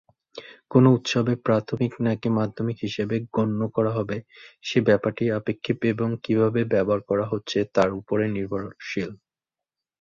কোনও উৎসকে প্রাথমিক নাকি মাধ্যমিক হিসেবে গণ্য করা হবে, সে ব্যাপারটি আপেক্ষিক এবং কীভাবে ব্যবহার করা হচ্ছে, তার উপরে নির্ভরশীল।